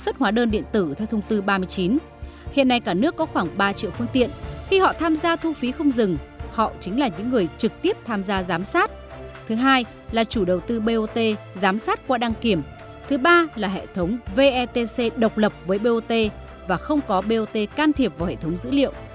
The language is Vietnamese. tổng thống vetc độc lập với bot và không có bot can thiệp vào hệ thống dữ liệu